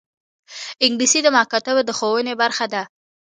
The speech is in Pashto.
انګلیسي د مکاتبو د ښوونې برخه ده